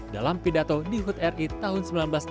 dalam pidato di hud ri tahun seribu sembilan ratus enam puluh enam